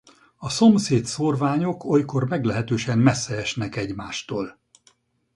A szomszéd szórványok olykor meglehetősen messze esnek egymástól.